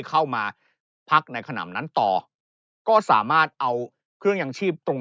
เข้ามาสักพักในขนำนั้นต่อก็สามารถเอาเครื่องยังชีพตรง